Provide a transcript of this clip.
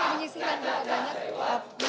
mengisikan berapa banyak